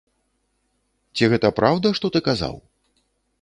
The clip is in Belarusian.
Ці гэта праўда, што ты казаў?